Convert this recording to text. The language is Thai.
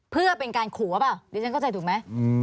เพื่อเป็นการขู่หรือเปล่าดิฉันเข้าใจถูกไหม